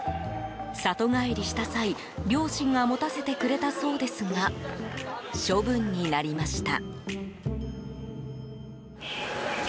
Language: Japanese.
里帰りした際両親が持たせてくれたそうですが処分になりました。